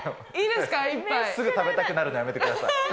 すぐ食べたくなるのやめてください。